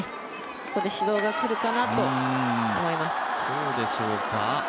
ここで指導がくるかなと思います。